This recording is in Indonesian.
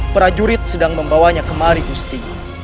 prajurit sedang membawanya kemari gusti